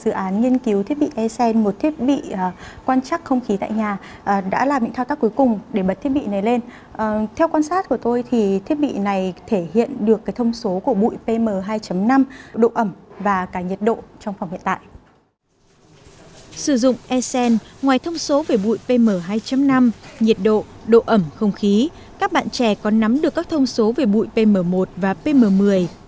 sử dụng esen ngoài thông số về bụi pm hai năm nhiệt độ độ ẩm không khí các bạn trẻ có nắm được các thông số về bụi pm một và pm một mươi